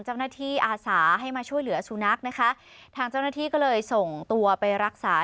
อาสาให้มาช่วยเหลือสุนัขนะคะทางเจ้าหน้าที่ก็เลยส่งตัวไปรักษา